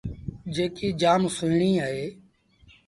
جيڪيٚ جآم سُوهيٚڻي اهي۔